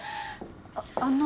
・あっあの。